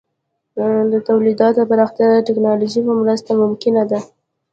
د تولیداتو پراختیا د ټکنالوژۍ په مرسته ممکنه ده.